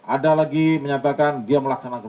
ada lagi menyatakan dia melaksanakan